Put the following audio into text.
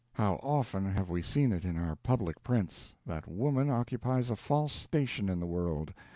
How often have we seen it in our public prints, that woman occupies a false station in the world!